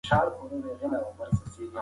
انټرنیټ د ښوونځیو د تعلیم کیفیت لوړوي.